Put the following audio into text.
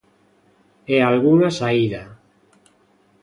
E algunha saída.